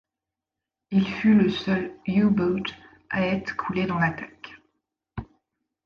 Il fut le seul U-boot à être coulé dans l'attaque.